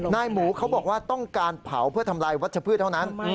หมูเขาบอกว่าต้องการเผาเพื่อทำลายวัชพืชเท่านั้น